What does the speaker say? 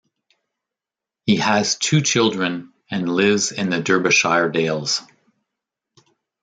He has two children and lives in the Derbyshire Dales.